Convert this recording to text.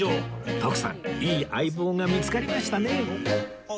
徳さんいい相棒が見つかりましたね